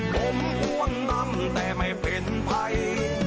กลมอ้วนดำแต่ไม่เป็นใคร